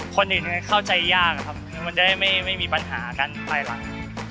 คนอื่นเข้าใจยากครับคือมันจะได้ไม่มีปัญหากันภายหลัง